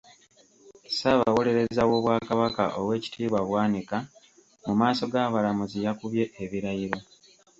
Ssaabawolereza w’Obwakabaka owekitiibwa Bwanika mu maaso g’abalamuzi yakubye ebirayiro.